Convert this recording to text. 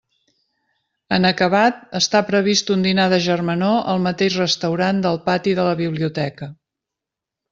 En acabat està previst un dinar de germanor al mateix restaurant del pati de la Biblioteca.